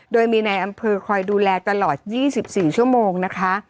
โดยมีในอำเภอคอยดูแลตลอดยี่สิบสี่ชั่วโมงนะคะ